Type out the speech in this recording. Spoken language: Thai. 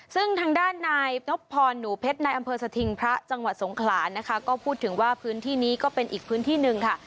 ซึ่งทางด้านนายนบพรหนูเพชรนายอำเภอสถิงพระจังหวัดสงขลานะคะก็พูดถึงว่าพื้นที่นี้ก็เป็นอีกพื้นที่หนึ่งค่ะ